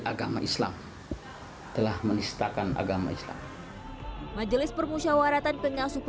agama islam telah menistakan agama islam majelis permusyawaratan pengasuh